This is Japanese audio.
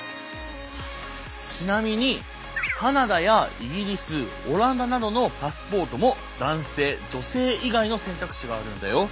ちなみにカナダやイギリスオランダなどのパスポートも男性女性以外の選択肢があるんだよ。